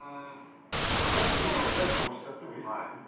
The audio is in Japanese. まあジャック見えてたらジャック押しちゃってもいいですけどね。